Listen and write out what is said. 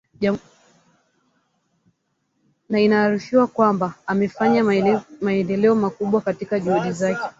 na inaarifiwa kwamba amefanya maendeleo makubwa katika juhudi zake